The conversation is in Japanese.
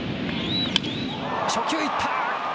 初球いった。